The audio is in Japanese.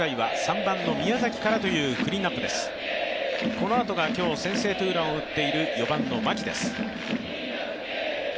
このあとが今日先制ツーランを打っている４番の牧です。